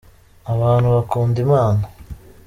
abantu bakunda Imana.